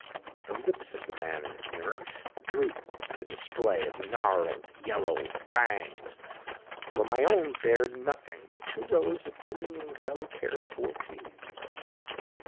The lips of the man in the mirror drooped in a display of gnarled, yellow fangs, while my own bared nothing but two rows of gleaming, well cared for teeth.